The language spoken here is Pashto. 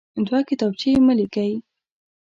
دوه کتابچې مه لیکئ.